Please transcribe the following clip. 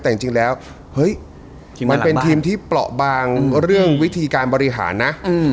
แต่จริงแล้วเฮ้ยมันเป็นทีมที่เปราะบางเรื่องวิธีการบริหารนะ